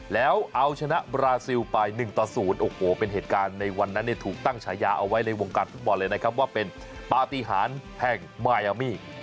แล้วเอาชนะบราซิลไป๑ต่อ๐โอ้โหเป็นเหตุการณ์ในวันนั้นถูกตั้งฉายาเอาไว้ในวงการฟุตบอลเลยนะครับว่าเป็นปฏิหารแห่งมายอามี